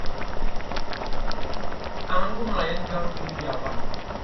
anganku melayang jauh tinggi di awan